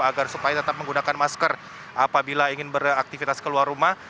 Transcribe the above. agar supaya tetap menggunakan masker apabila ingin beraktivitas keluar rumah